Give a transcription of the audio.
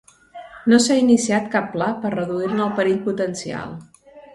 No s'ha iniciat cap pla per reduir-ne el perill potencial.